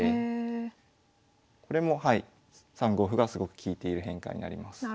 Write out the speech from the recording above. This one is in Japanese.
これも３五歩がすごく利いている変化になります。